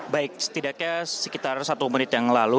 baik setidaknya sekitar satu menit yang lalu